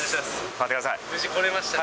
頑張ってください。